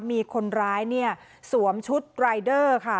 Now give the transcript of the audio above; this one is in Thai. มีคนร้ายเนี่ยสวมชุดรายเดอร์ค่ะ